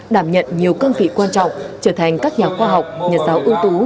đảm nhận nhiều cương vị quan trọng trở thành các nhà khoa học nhà giáo ưu tú